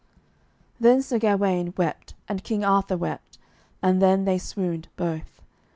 Then Sir Gawaine wept, and King Arthur wept, and then they swooned both.